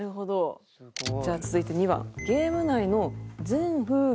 じゃあ続いて２番。